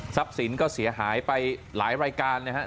สินก็เสียหายไปหลายรายการนะครับ